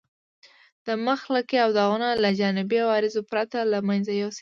د مخ لکې او داغونه له جانبي عوارضو پرته له منځه یوسئ.